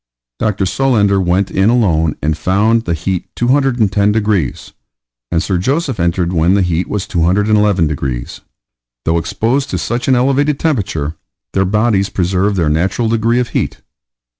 Dr. Solander went in alone and found the heat 210 degrees, and Sir Joseph entered when the heat was 211 degrees. Though exposed to such an elevated temperature, their bodies preserved their natural degree of heat.